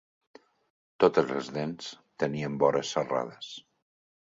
Totes les dents tenien vores serrades.